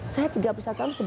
saya tiga puluh satu tahun